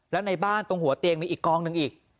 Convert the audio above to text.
แล้วในบ้านตรงหัวเตียงมีอีกกองหนึ่งอีก